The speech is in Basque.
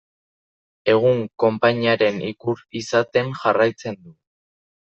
Egun, konpainiaren ikur izaten jarraitzen du.